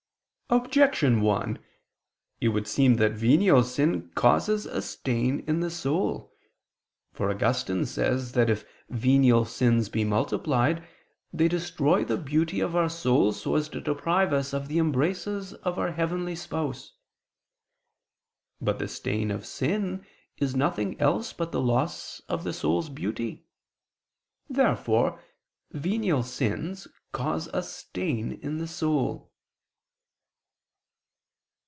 Objection 1: It would seem that venial sin causes a stain in the soul. For Augustine says (De Poenit.) [*Hom. 50, inter. L., 2], that if venial sins be multiplied, they destroy the beauty of our souls so as to deprive us of the embraces of our heavenly spouse. But the stain of sin is nothing else but the loss of the soul's beauty. Therefore venial sins cause a stain in the soul.